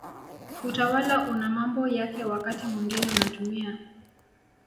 Utawala una mambo yake wakati mwingine unatumia